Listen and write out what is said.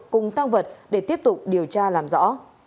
cùng tăng vật để tiếp tục điều tra làm rõ